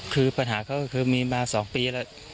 คือปัญหาเขาก็คือมีมา๒ปีแล้ว